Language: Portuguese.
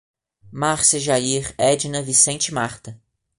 Márcia, Jair, Edna, Vicente e Marta